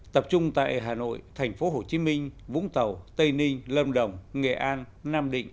tập trung tại hà nội thành phố hồ chí minh vũng tàu tây ninh lâm đồng nghệ an nam định